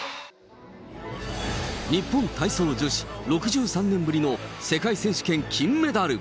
日本体操女子６３年ぶりの世界選手権金メダル。